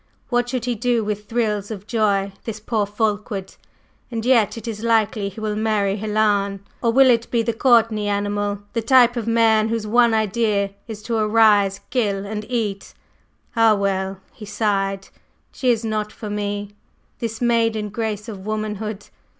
What should he do with thrills of joy this poor Fulkeward? And yet it is likely he will marry Helen. Or will it be the Courtney animal, the type of man whose one idea is 'to arise, kill, and eat?' Ah, well!" and he sighed. "She is not for me, this maiden grace of womanhood.